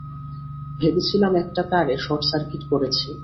ভেবেছিলাম একটা তারে শর্ট সার্কিট করেছি।